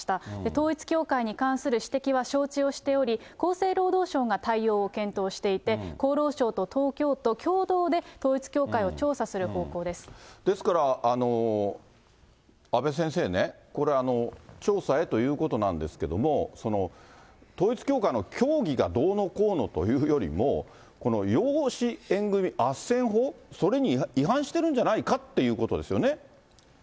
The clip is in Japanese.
統一教会に関する指摘は承知をしており、厚生労働省が対応を検討していて、厚労省と東京都共同で、ですから、阿部先生ね、これ、調査へということなんですけれども、統一教会の教義がどうのこうのというよりも、この養子縁組あっせん法、それに違反してるんじゃないかということですよね。